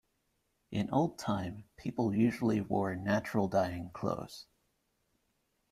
In old time, people usually wore natural dyeing clothes.